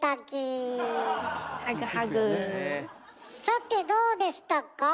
さてどうでしたか？